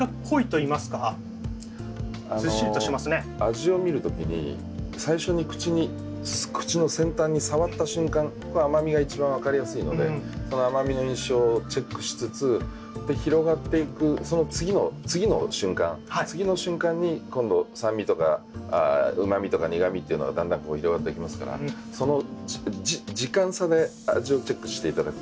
味を見る時に最初に口に口の先端に触った瞬間は甘みが一番分かりやすいので甘みの印象をチェックしつつ広がっていくその次の瞬間に今度酸味とうま味とか苦味っていうのがだんだん広がってきますからその時間差で味をチェックしていただくと。